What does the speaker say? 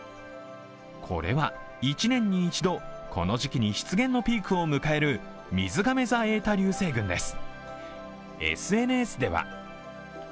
これは一年に一度、この時期に出現のピークを迎えるみずがめ座η流星群です。